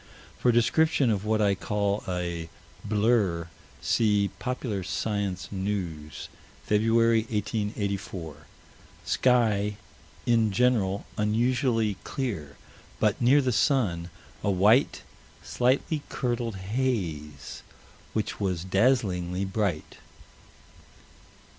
For description of what I call a "blur," see Pop. Sci. News, February, 1884 sky, in general, unusually clear, but, near the sun, "a white, slightly curdled haze, which was dazzlingly bright."